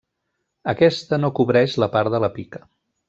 Aquesta no cobreix la part de la pica.